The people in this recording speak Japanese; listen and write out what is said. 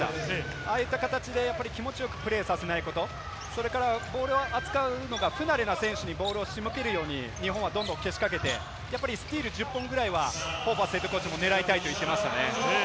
ああいった形で気持ちよくプレーさせないこと、それからボールを扱うのが不慣れな選手にボールを仕向けるように日本はどんどんけしかけて、スティール１０本ぐらいはホーバスＨＣ、狙いたいと言ってましたね。